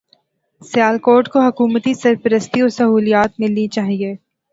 سیالکوٹ کو حکومتی سرپرستی و سہولیات ملنی چاہیے